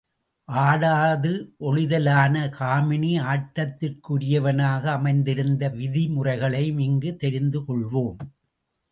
ஆடாது ஒழிதலான காமினி ஆட்டத்திற்குரியனவாக அமைந்திருந்த விதிமுறைகளையும் இங்கு தெரிந்து கொள்வோம்.